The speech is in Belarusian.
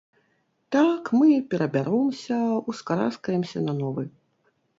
Так, мы перабяромся, ускараскаемся на новы.